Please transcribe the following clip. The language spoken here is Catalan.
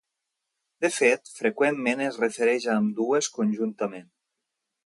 De fet, freqüentment es refereix a ambdues conjuntament: